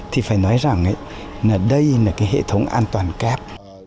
thì phải nói rằng đây là cái hệ thống an toàn kép